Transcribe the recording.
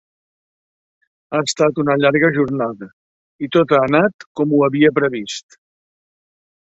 Ha estat una llarga jornada, i tot ha anat com ho havia previst.